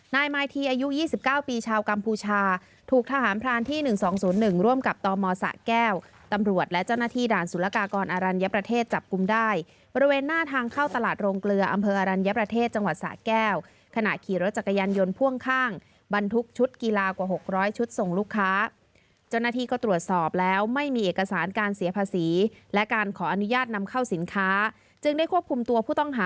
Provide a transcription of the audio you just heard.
นายมายทีอายุยี่สิบเก้าปีชาวกัมพูชาถูกทหารพรานที่หนึ่งสองศูนย์หนึ่งร่วมกับตอมอสะแก้วตำรวจและเจ้าหน้าที่ด่านสุรกากรอรัญญประเทศจับกลุ้มได้บริเวณหน้าทางเข้าตลาดโรงเกลืออำเภออรัญญประเทศจังหวัดสะแก้วขณะขี่รถจักรยานยนต์พ่วงข้างบรรทุกชุดกีฬากว่าหกร้อยชุ